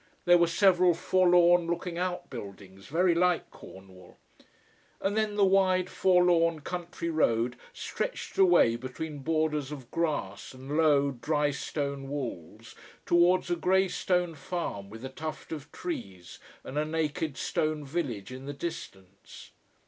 There were several forlorn looking out buildings, very like Cornwall. And then the wide, forlorn country road stretched away between borders of grass and low, drystone walls, towards a grey stone farm with a tuft of trees, and a naked stone village in the distance.